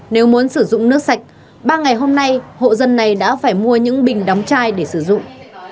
nếu muốn sử dụng nước sạch ba ngày hôm nay hộ dân này đã phải mua những bình đóng chai để sử dụng